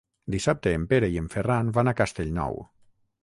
Dissabte en Pere i en Ferran van a Castellnou.